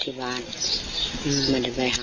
ที่บ้านมันจะไปหาหมอ